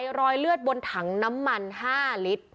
วิทย์ไฟรอยเลือดบนถังน้ำมัน๕ลิตร